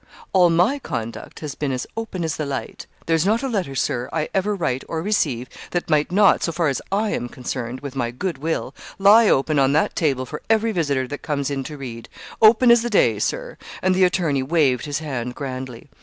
All my conduct has been as open as the light; there's not a letter, Sir, I ever write or receive, that might not, so far as I am concerned, with my good will, lie open on that table for every visitor that comes in to read; open as the day, Sir:' and the attorney waved his hand grandly.